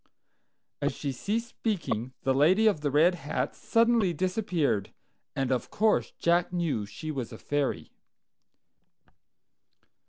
As she ceased speaking, the lady of the red hat suddenly disappeared, and of course Jack knew she was a fairy.